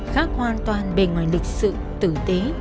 khác hoàn toàn bề ngoài lịch sự tử tế